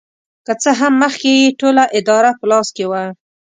که څه هم مخکې یې ټوله اداره په لاس کې وه.